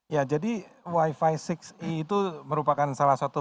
ya jadi wifi enam e itu merupakan salah satu